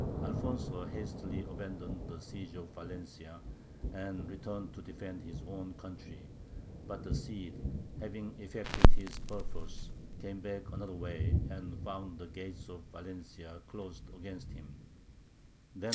Alfonso hastily abandoned the siege of Valencia, and returned to defend his own country. But the Cid, having effected his purpose, came back another way, and found the gates of Valencia closed against him.